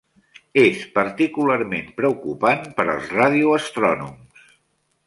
És particularment preocupant per als radioastrònoms.